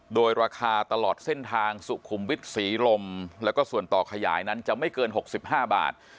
โดยราคาตลอดเส้นทางสุขุมวิทย์ศรีลมแล้วก็ส่วนต่อขยายนั้นจะไม่เกิน๖๕บาท